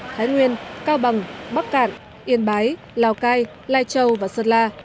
thái nguyên cao bằng bắc cạn yên bái lào cai lai châu và sơn la